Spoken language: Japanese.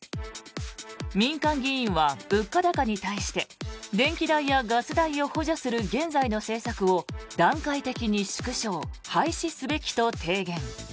民間議員は物価高に対して電気代やガス代を補助する現在の政策を、段階的に縮小・廃止すべきと提言。